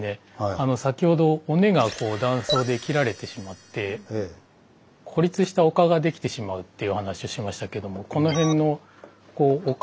先ほど尾根が断層で切られてしまって孤立した丘ができてしまうというお話をしましたけどもこの辺の丘がですね。